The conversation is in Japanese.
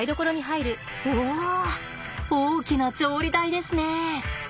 お大きな調理台ですね。